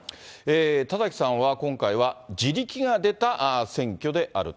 田崎さんは今回は地力が出た選挙であると。